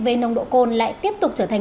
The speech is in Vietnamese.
về nồng độ cồn lại tiếp tục trở thành